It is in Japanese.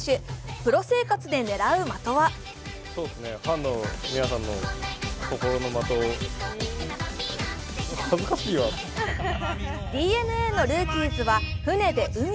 プロ生活で狙う的はＤｅＮＡのルーキーズは船で海に。